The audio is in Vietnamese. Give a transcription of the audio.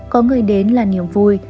có người đến là niềm vui